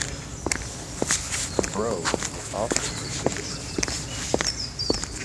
Brough was also a Civitan.